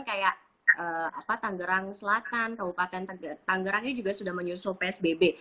kayak tanggerang selatan kabupaten tangerang ini juga sudah menyusul psbb